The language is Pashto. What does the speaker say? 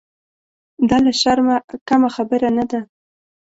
دا له شرمه کمه خبره نه ده.